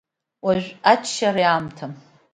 Уажә аччара иаамҭам…